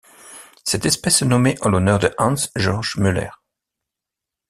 Cette espèce est nommée en l'honneur de Hans-George Müller.